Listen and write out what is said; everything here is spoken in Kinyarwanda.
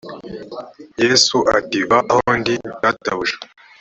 yesu ati va aho ndi databuja